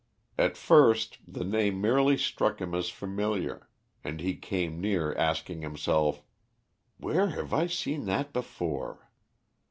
At first the name merely struck him as familiar, and he came near asking himself "Where have I seen that before?"